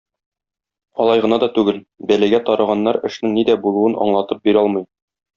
Алай гына да түгел, бәлагә тарыганнар эшнең нидә булуын аңлатып бирә алмый.